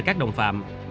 các đồng phạm